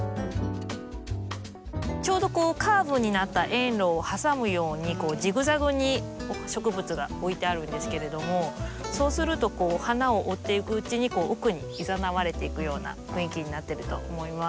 ちょうどカーブになった園路を挟むようにジグザグに植物が置いてあるんですけれどもそうすると花を追っていくうちに奥にいざなわれていくような雰囲気になってると思います。